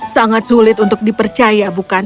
sangat sulit untuk dipercaya bukan